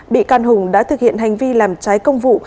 bị can hùng đã thực hiện hành vi làm trái công vụ